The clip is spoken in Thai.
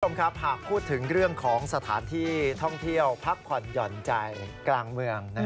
คุณผู้ชมครับหากพูดถึงเรื่องของสถานที่ท่องเที่ยวพักผ่อนหย่อนใจกลางเมือง